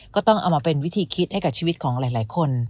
ก็ต้องเอามาเป็นวิธีคิดให้กับชีวิตของหลายคน